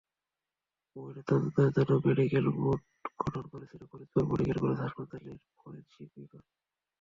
ময়নাতদন্তের জন্য medical board গঠন করেছিল ফরিদপুর মেডিকেল কলেজ হাসপাতালের ফরেনসিক বিভাগ।